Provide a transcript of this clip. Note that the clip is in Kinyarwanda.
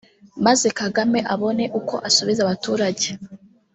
maze Kagame abone uko asubiza abaturage